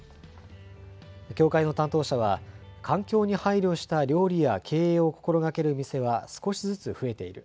協会の担当者は、環境に配慮した料理や経営を心がける店は少しずつ増えている。